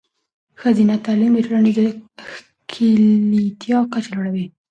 ښځینه تعلیم د ټولنیزې ښکیلتیا کچه لوړوي.